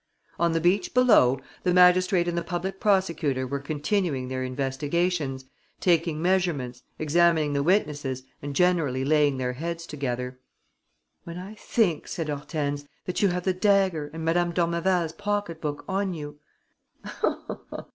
On the beach below, the magistrate and the public prosecutor were continuing their investigations, taking measurements, examining the witnesses and generally laying their heads together. "When I think," said Hortense, "that you have the dagger and M. d'Ormeval's pocket book on you!"